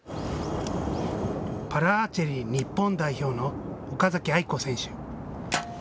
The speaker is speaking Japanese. パラアーチェリー日本代表の岡崎愛子選手。